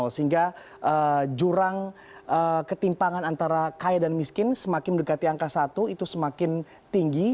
sehingga jurang ketimpangan antara kaya dan miskin semakin mendekati angka satu itu semakin tinggi